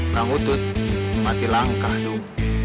takutut mati langkah tuh